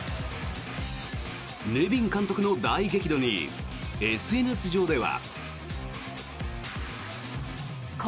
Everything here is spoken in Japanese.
ネビン監督の大激怒にＳＮＳ上では。